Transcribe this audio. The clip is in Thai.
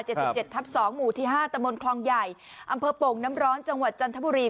ทับสองหมู่ที่ห้าตะมนต์คลองใหญ่อำเภอโป่งน้ำร้อนจังหวัดจันทบุรี